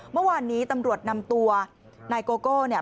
เมื่อวานนี้ตำรวจนำตัวนายโกโก้เนี่ย